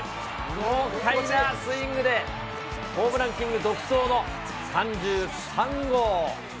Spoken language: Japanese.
豪快なスイングで、ホームランキング独走の３３号。